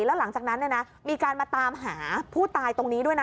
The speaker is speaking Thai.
แล้วหลังจากนั้นมีการมาตามหาผู้ตายตรงนี้ด้วยนะ